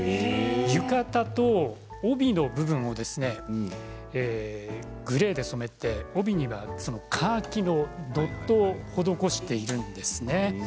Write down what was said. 浴衣と帯の部分をグレーで染めて帯にはカーキのドットを施しているんですね。